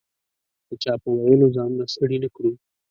د چا په ویلو ځانونه ستړي نه کړو.